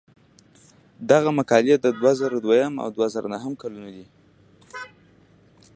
دغه مقالې د دوه زره دویم او دوه زره نهم کلونو دي.